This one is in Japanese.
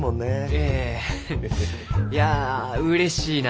ええ。いやうれしいな。